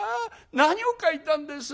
何を描いたんです？」。